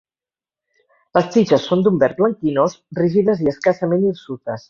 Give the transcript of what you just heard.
Les tiges són d'un verd blanquinós, rígides i escassament hirsutes.